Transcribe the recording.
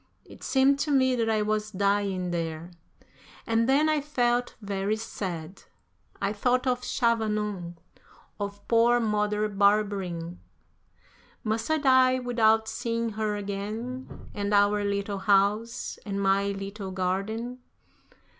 It seemed to me that I was dying there. And then I felt very sad. I thought of Chavanon, of poor Mother Barberin. Must I die without seeing her again, and our little house, and my little garden!